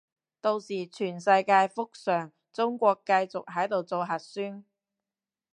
到時全世界復常，中國繼續喺度做核酸